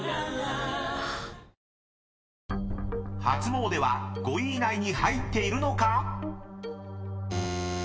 ［初詣は５位以内に入っているのか⁉］